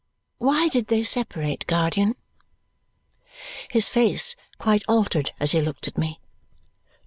"Why did they separate, guardian?" His face quite altered as he looked at me.